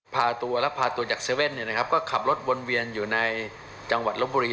พาตัวและพาตัวจากเซเว่นเนี่ยนะครับก็ขับรถวนเวียนอยู่ในจังหวัดลบบุรี